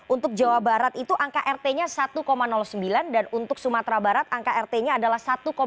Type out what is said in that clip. untuk jawa barat itu angka rt nya satu sembilan dan untuk sumatera barat angka rt nya adalah satu enam